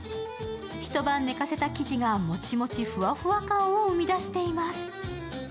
一晩寝かせた生地がモチモチ、ふわふわ感を生み出しています。